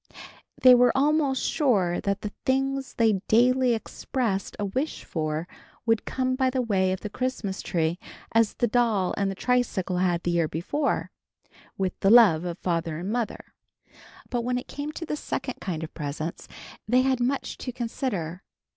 They were almost sure that the things they daily expressed a wish for would come by the way of the Christmas tree as the doll and the tricycle had the year before, "with the love of father and mother." But when it came to the second kind of presents, they had much to consider.